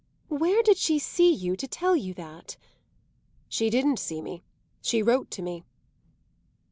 "Where did she see you to tell you that?" "She didn't see me; she wrote to me."